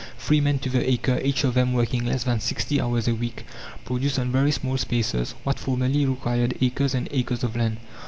Three men to the acre, each of them working less than sixty hours a week, produce on very small spaces what formerly required acres and acres of land.